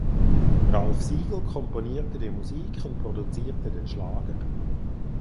Ralph Siegel komponierte die Musik und produzierte den Schlager.